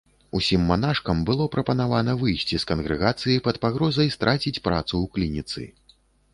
Усім манашкам было прапанавана выйсці з кангрэгацыі пад пагрозай страціць працу ў клініцы.